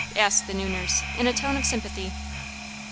asked the new nurse, in a tone of sympathy.